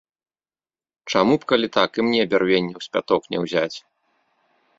Чаму б, калі так, і мне бярвенняў з пяток не ўзяць?